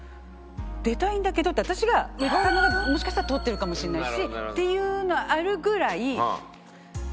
「出たいんだけど」って私が言ったのがもしかしたら通ってるかもしれないしっていうのがあるぐらい。